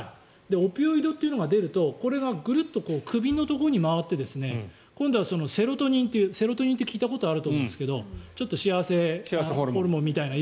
オピオイドというのが出るとこれがぐるっと首のところに回ってセロトニンというセロトニンって聞いたことあると思うんですがちょっと幸せホルモンみたいな。